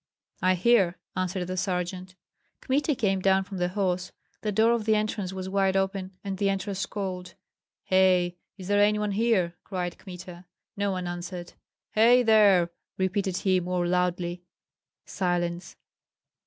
"I hear," answered the sergeant. Kmita came down from the horse. The door of the entrance was wide open, and the entrance cold. "Hei! Is there any one here?" cried Kmita. No one answered. "Hei there!" repeated he, more loudly. Silence.